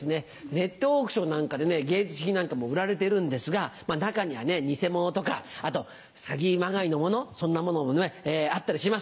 ネットオークションなんかで芸術品なんかも売られてるんですが中にはね偽物とかあと詐欺まがいのものそんなものもあったりします。